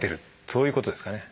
そういうことですかね。